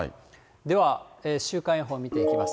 では週間予報見ていきます。